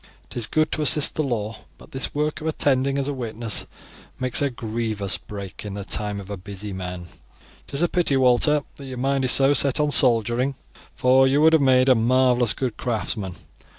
It is good to assist the law, but this work of attending as a witness makes a grievous break in the time of a busy man. It is a pity, Walter, that your mind is so set on soldiering, for you would have made a marvellous good craftsman.